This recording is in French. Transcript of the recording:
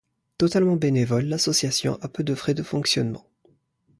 Totalement bénévole, l'association a peu de frais de fonctionnement.